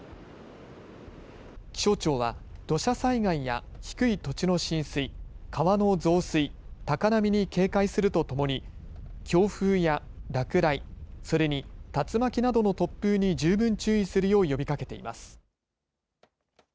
気象庁は土砂災害や低い土地の浸水、川の増水、高波に警戒するとともに強風や落雷、それに竜巻などの突風に十分注意するよう呼びかけています。